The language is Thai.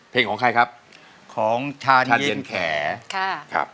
เพลงของใครครับคุณตายืนร้องของชาญเยี่ยมแขก่